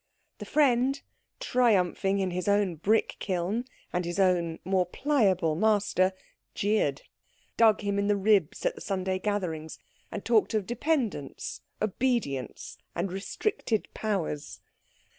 The friend, triumphing in his own brick kiln and his own more pliable master, jeered, dug him in the ribs at the Sunday gatherings, and talked of dependence, obedience, and restricted powers.